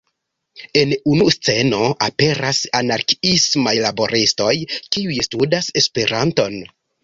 En unu sceno aperas anarkiismaj laboristoj, kiuj studas Esperanton.